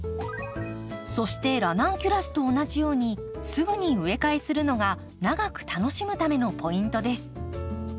そしてラナンキュラスと同じようにすぐに植え替えするのが長く楽しむためのポイントです。